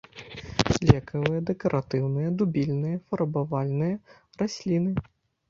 Лекавыя, дэкаратыўныя, дубільныя, фарбавальныя расліны.